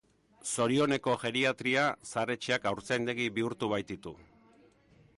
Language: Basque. Zorioneko geriatria, zahar-etxeak haurtzaindegi bihurtu baititu!